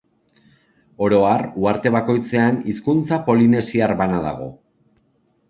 Oro har uharte bakoitzean hizkuntza polinesiar bana dago.